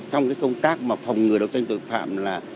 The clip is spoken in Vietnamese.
trong cái công tác mà phòng ngừa đấu tranh tội phạm là